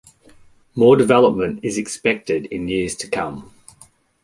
More development is expected in years to come.